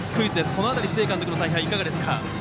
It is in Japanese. この辺り、須江監督の采配いかがですか。